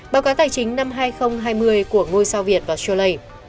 báo cáo tài chính năm hai nghìn hai mươi của ngôi sao việt và châu lây